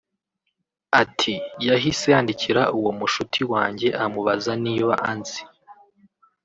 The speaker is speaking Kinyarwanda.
Ati “Yahise yandikira uwo mushuti wanjye amubaza niba anzi